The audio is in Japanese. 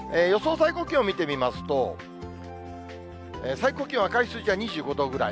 最高気温見てみますと、最高気温は赤い数字が２５度ぐらい。